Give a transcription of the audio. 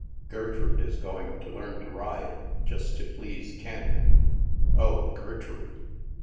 Gertrude is going to learn to ride, just to please Ken." "Oh, Gertrude!